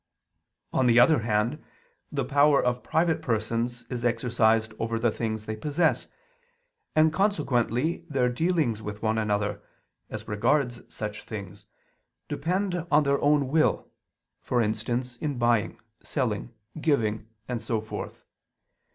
On the other hand, the power of private persons is exercised over the things they possess: and consequently their dealings with one another, as regards such things, depend on their own will, for instance in buying, selling, giving, and so forth.